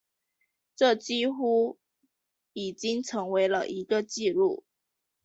这几乎已经成为了一个记录。